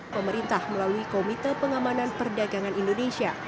pemerintah melalui komite pengamanan perdagangan indonesia